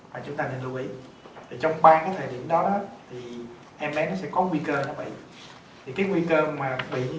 mà chúng ta nên lưu ý trong ba cái thời điểm đó